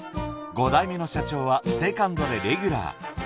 五代目の社長はセカンドでレギュラー。